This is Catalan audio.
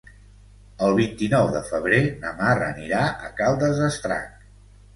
El vint-i-nou de febrer na Mar anirà a Caldes d'Estrac.